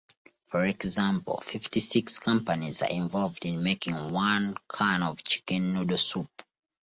For example, fifty-six companies are involved in making one can of chicken noodle soup.